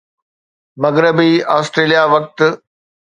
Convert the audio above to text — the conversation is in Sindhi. مغربي آسٽريليا وقت